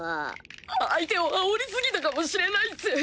相手をあおり過ぎたかもしれないっす。